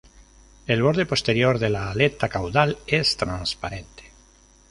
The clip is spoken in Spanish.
El borde posterior de la aleta caudal es transparente.